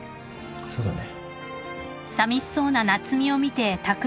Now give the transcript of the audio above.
そうだね。